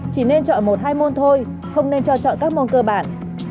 chỉ nên chọn một hai môn thôi không nên cho chọn các môn cơ bản